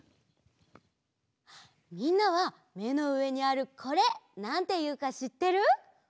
みんなはめのうえにあるこれなんていうかしってる？